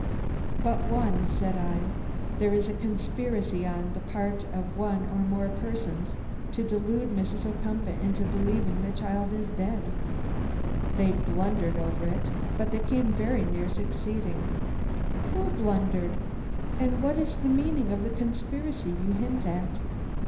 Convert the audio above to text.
"But one," said I. "There is a conspiracy on the part of one or more persons to delude Mrs. Ocumpaugh into believing the child dead. They blundered over it, but they came very near succeeding." "Who blundered, and what is the meaning of the conspiracy you hint at?